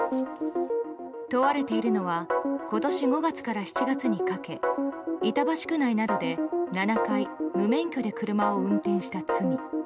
問われているのは今年５月から７月にかけ板橋区内などで、７回無免許で車を運転した罪。